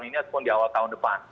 sehingga sepanjang di awal tahun depan